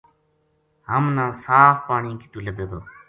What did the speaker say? ہمنا صاف پانی کِتو لبھے گو ؟